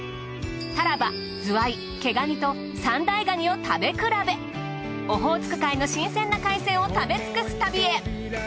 タラバズワイ毛ガニとオホーツク海の新鮮な海鮮を食べ尽くす旅へ。